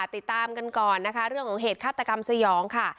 ติดตามกันก่อนนะคะเรื่องของเหตุฆาตกรรมสยองค่ะ